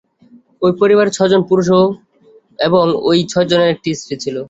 ঐ পরিবারে ছয়জন পুরুষ এবং ঐ ছয়জনের একটি স্ত্রী ছিল।